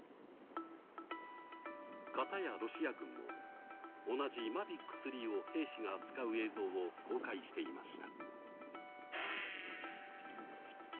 片やロシア軍も同じＭａｖｉｃ３を兵士が扱う映像を公開していました。